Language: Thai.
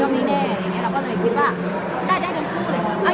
ไม่แน่อะไรอย่างนี้เราก็เลยคิดว่าได้ทั้งคู่เลยค่ะ